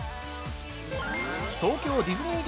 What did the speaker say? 東京ディズニー